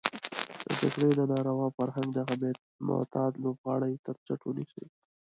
د جګړې د ناروا فرهنګ دغه معتاد لوبغاړی تر څټ ونيسي.